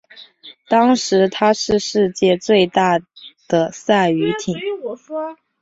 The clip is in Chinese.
当时她是世界最大的赛渔艇。